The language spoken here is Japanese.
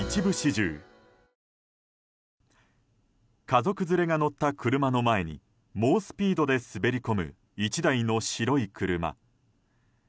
家族連れが乗った車の前に猛スピードで滑り込む１台の白い車。